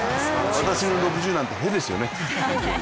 私の６０なんて、へですよね。